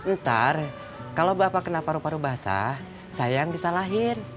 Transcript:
ntar kalau bapak kena paru paru basah sayang bisa lahir